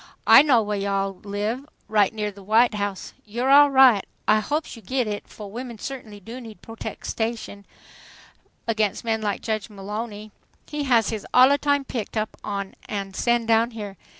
I know whah yo' all live, right near the White House. You's alright. I hopes yo' git it, fo' women certainly do need protextion against men like Judge Mullowny. He has us allatime picked up an' sen' down here.